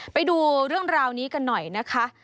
ไปดูเรื่องราวนี้กันหน่อยนะคะ